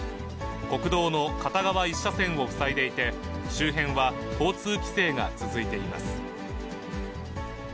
国道の片側１車線を塞いでいて、周辺は交通規制が続いています。